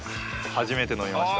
初めて飲みました。